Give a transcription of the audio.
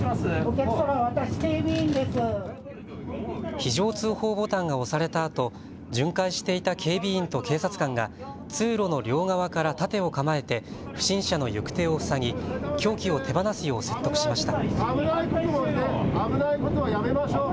非常通報ボタンが押されたあと巡回していた警備員と警察官が通路の両側から盾を構えて不審者の行く手を塞ぎ凶器を手放すよう説得しました。